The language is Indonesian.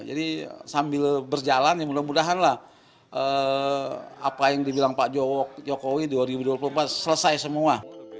jadi sambil berjalan ya mudah mudahan lah apa yang dibilang pak jokowi dua ribu dua puluh empat selesai semua